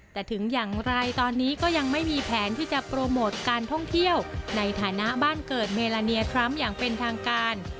แต่ถึงอย่างไรตอนนี้ก็ยังไม่มีแผนที่จะโปรโมทการท่องเที่ยวในฐานะบ้านเกิดเมลาเนียทรัมป์อย่างเป็นทางการ